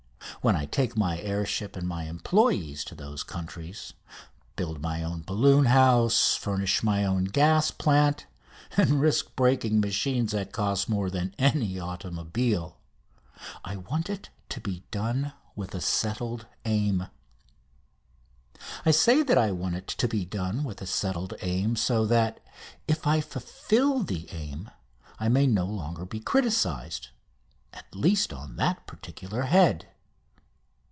When I take my air ships and my employees to those countries, build my own balloon house, furnish my own gas plant, and risk breaking machines that cost more than any automobile, I want it to be done with a settled aim. I say that I want it to be done with a settled aim, so that, if I fulfil the aim, I may no longer be criticised, at least on that particular head.